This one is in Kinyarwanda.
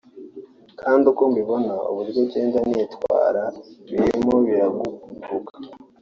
Kandi uko mbibona uburyo ngenda nitwara birimo biragaruka